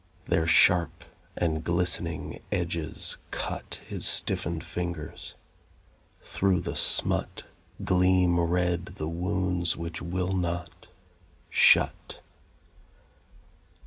Their sharp and glistening edges cut His stiffened fingers. Through the smut Gleam red the wounds which will not shut.